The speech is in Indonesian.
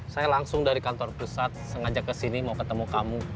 saya langsung dari kantor pusat sengaja kesini mau ketemu kamu